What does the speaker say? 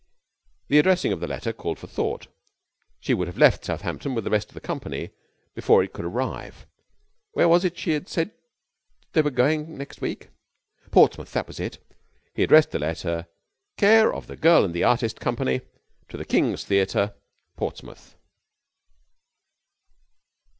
The addressing of the letter called for thought. She would have left Southampton with the rest of the company before it could arrive. Where was it that she said they were going next week? Portsmouth, that was it. He addressed the letter Care of The Girl and the Artist Company, to the King's Theatre, Portsmouth.